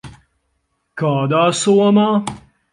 Kādā somā?